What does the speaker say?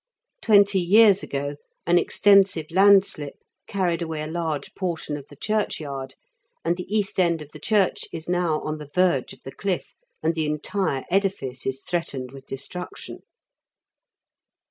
Twenty years ago, an extensive landslip carried away a large portion of the church ^ yard, and the east end of the church is now on the verge of the cliff, and the entire edifice is threatened with destruction.